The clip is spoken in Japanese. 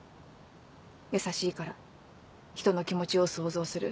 優しいから人の気持ちを想像する。